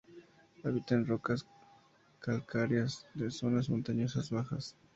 Habita en rocas calcáreas de zonas montañosas bajas.